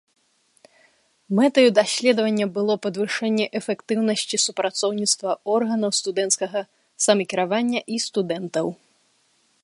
Мэтай даследавання было падвышэнне эфектыўнасці супрацоўніцтва органаў студэнцкага самакіравання і студэнтаў.